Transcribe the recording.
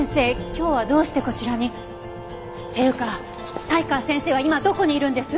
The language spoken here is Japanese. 今日はどうしてこちらに？っていうか才川先生は今どこにいるんです？